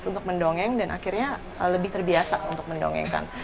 untuk mendongeng dan akhirnya lebih terbiasa untuk mendongengkan